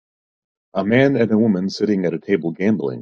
A man and a woman sitting at a table gambling.